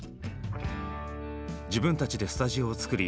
自分たちでスタジオを作り